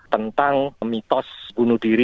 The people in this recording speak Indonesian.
tentang mitos bunuh diri